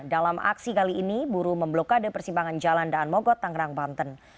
dalam aksi kali ini buruh memblokade persimpangan jalan daan mogot tangerang banten